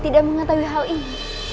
tidak mengetahui hal ini